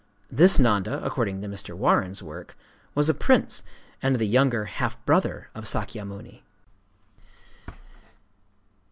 —This Nanda, according to Mr. Warren's work, was a prince, and the younger half brother of Sâkyamuni.